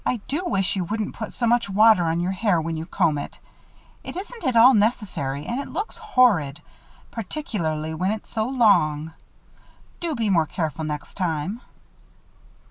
"I do wish you wouldn't put so much water on your hair when you comb it. It isn't at all necessary and it looks horrid particularly when it's so long. Do be more careful next time."